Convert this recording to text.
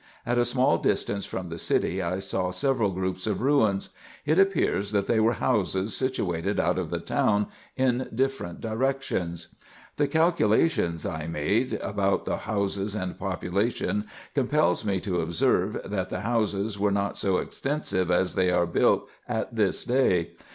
At a small distance from the city I saw several groups of ruins. It appears that they were houses situated out of the town in different directions. The calculation I made about the houses and population com pels me to observe, that the houses were not so extensive as they are built at this day.